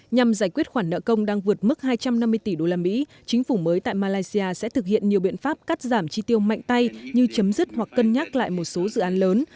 nhằm giải quyết khoản nợ công đang vượt mức hai trăm năm mươi tỷ đô la mỹ chính phủ mới tại malaysia sẽ thực hiện nhiều biện pháp cắt giảm chi tiêu mạnh tay như chấm dứt hoặc cân nhắc lại một số nợ công